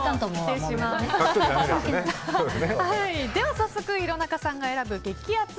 では早速、廣中さんが選ぶ激アツ！